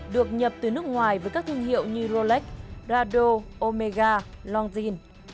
được nhập từ nước ngoài với các thương hiệu như rolex rado omega longzhin